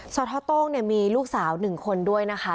สทต้งมีลูกสาวหนึ่งคนด้วยนะคะ